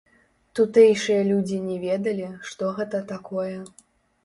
Тутэйшыя людзі не ведалі, што гэта такое.